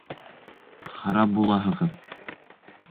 Харап булаһығыҙ!